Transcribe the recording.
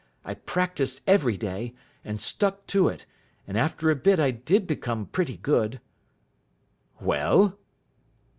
I practised every day, and stuck to it, and after a bit I did become pretty good." "Well?"